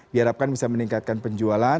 diharapkan bisa meningkatkan penjualan